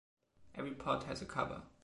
Every pot has a cover.